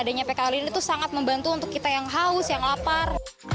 adanya pekal ini tuh sangat membantu untuk kita yang haus yang lapar